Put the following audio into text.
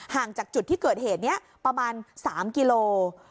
ห่างจากจุดที่เกิดเหตุนี้ประมาณ๓กิโล